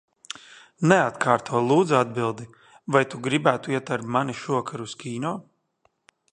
Neatkārto, lūdzu, atbildi. Vai tu gribētu iet ar mani šovakar uz kino?